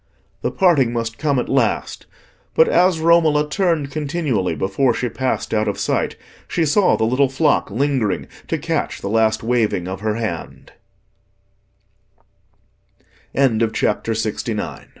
The parting must come at last, but as Romola turned continually before she passed out of sight, she saw the little flock lingering to catch the last waving of her hand. CHAPTER LXX. Meeting Again.